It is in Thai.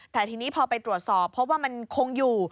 แต่ทีนี้พอไปตรวจสอบพบว่ามันคงอยู่